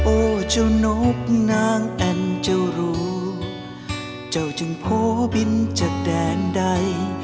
โอ้เจ้านกนางแต่นเจ้ารู้เจ้าจึงโพบินจากแดนใด